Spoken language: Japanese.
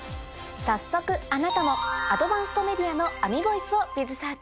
早速あなたもアドバンスト・メディアのＡｍｉＶｏｉｃｅをｂｉｚｓｅａｒｃｈ。